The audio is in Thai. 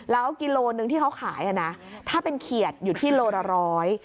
แล้วกิโลนึงที่เขาขายอ่ะนะถ้าเป็นเขียดอยู่ที่โลละร้อย